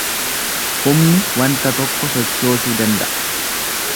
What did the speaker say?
Humni wanta tokko sochoosuu danda’a.